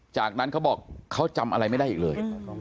จากนั้นเขาบอกเขาจำอะไรไม่ได้อีกเลย